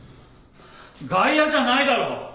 外野じゃないだろ！